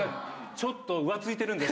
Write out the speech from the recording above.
ちょっと浮ついてるんです。